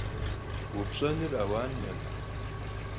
Vupş'enır auankhım.